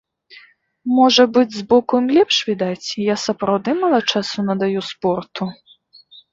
Можа быць, збоку ім лепш відаць і я сапраўды мала часу надаю спорту.